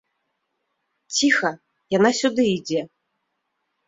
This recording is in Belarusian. Ціха, яна сюды ідзе.